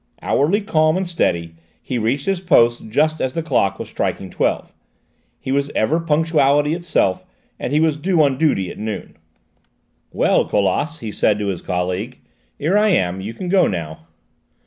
Outwardly calm and steady, he reached his post just as the clock was striking twelve; he was ever punctuality itself, and he was due on duty at noon. "Well, Colas," he said to his colleague, "here I am; you can go now."